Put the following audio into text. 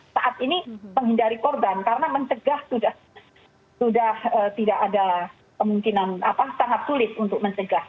saat ini menghindari korban karena mencegah sudah tidak ada kemungkinan sangat sulit untuk mencegah